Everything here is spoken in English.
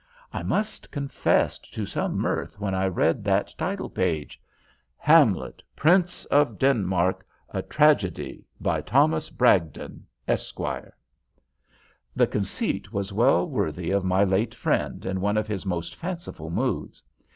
I must confess to some mirth when I read that title page: HAMLET, PRINCE OF DENMARK A Tragedy By THOMAS BRAGDON, ESQUIRE The conceit was well worthy of my late friend in one of his most fanciful moods.